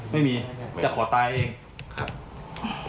ไม่มีครับ